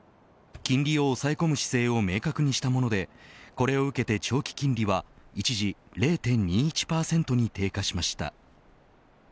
金利を抑え込む姿勢を明確にしたものでこれを受けて長期金利は一時０．２１％に低下しました。